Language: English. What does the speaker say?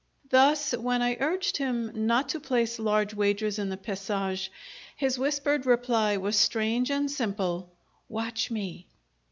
Thus, when I urged him not to place large wagers in the pesage, his whispered reply was strange and simple "Watch me!"